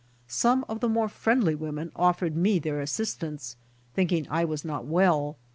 Some of the more friendly womien offered me their assistance, thinking I was not well.